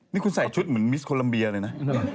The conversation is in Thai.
นี่คุณใส่ชุดเหมือนมิสโคลัมเบียเลยนะ